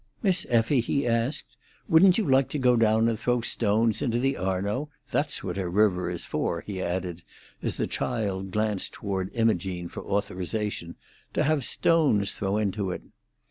"Miss Effie," he asked, "wouldn't you like to go down and throw stones into the Arno? That's what a river is for," he added, as the child glanced toward Imogene for authorisation, "to have stones thrown into it."